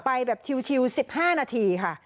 ไปแบบชิล๑๕นาทีค่ะ